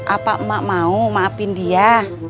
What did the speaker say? apa emak mau maafin dia